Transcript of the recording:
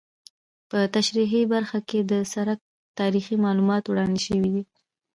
په تشریحي برخه کې د سرک تاریخي معلومات وړاندې شوي دي